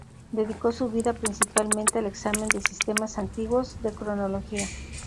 Dedicó su vida principalmente al examen de sistemas antiguos de cronología.